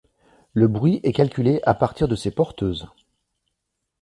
Le bruit est calculé à partir de ces porteuses.